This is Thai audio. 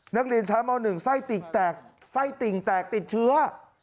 นักเรียนชั้นม๑ไส้ติกแตกไส้ติ่งแตกติดเชื้อ